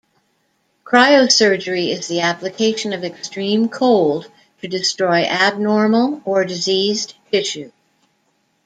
Cryosurgery is the application of extreme cold to destroy abnormal or diseased tissue.